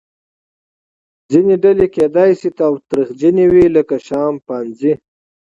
ځینې ډلې کیدای شي تاوتریخجنې وي لکه شامپانزې.